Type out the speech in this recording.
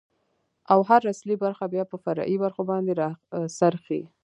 ، او هر اصلي برخه بيا په فرعي برخو باندې را څرخي.